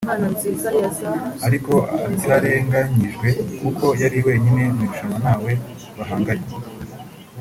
ariko atarenganyijwe kuko yari wenyine mu irushanwa ntawe bahanganye